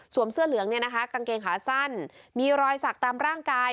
เสื้อเหลืองเนี่ยนะคะกางเกงขาสั้นมีรอยสักตามร่างกาย